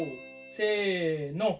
せの。